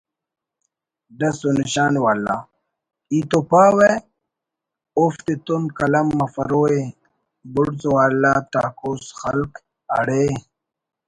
ڈس و نشان والا…… ای تو پاو اوفتتون قلم مفروءِ بڑز والا ٹاکوس خلک اڑے